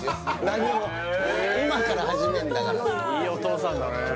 何も今から始めんだからいいお父さんだね